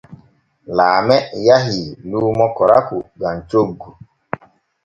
Laame yahii luumo koraku gam coggu.